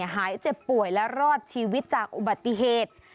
หายเจ็บป่วยและรอดชีวิตจากอุบัติเหตุ